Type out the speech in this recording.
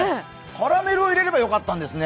カラメルを入れればよかったんですね！